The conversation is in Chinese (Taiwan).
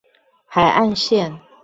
海岸線